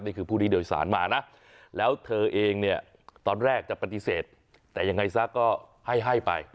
ผู้ที่โดยสารมานะแล้วเธอเองเนี่ยตอนแรกจะปฏิเสธแต่ยังไงซะก็ให้ให้ไป